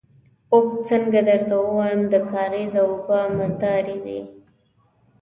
اوف! څنګه درته ووايم، د کارېزه اوبه مردارې دي.